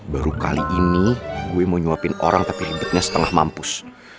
baru kali ini gue mau nyuapin orang tapi ribetnya setengah mampus